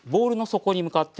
底に向かって。